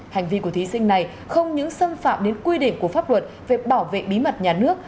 hành vi của thí sinh này không những xâm phạm đến quy định của pháp luật về bảo vệ bí mật nhà nước